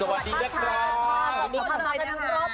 สุดจอดสุดจอด